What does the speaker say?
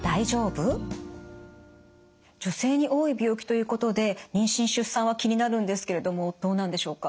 女性に多い病気ということで妊娠出産は気になるんですけれどもどうなんでしょうか？